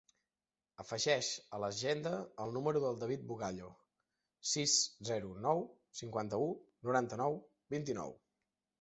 Afegeix a l'agenda el número del David Bugallo: sis, zero, nou, cinquanta-u, noranta-nou, vint-i-nou.